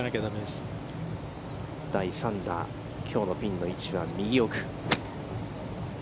第３打、きょうのピンの位置は、右奥。